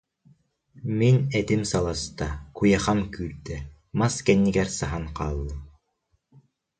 Мин этим саласта, куйахам күүрдэ, мас кэннигэр саһан хааллым